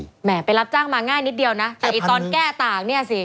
แหมไปรับจ้างมาง่ายนิดเดียวนะแต่ไอ้ตอนแก้ต่างเนี่ยสิ